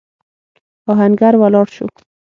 آهنګر ولاړ شو.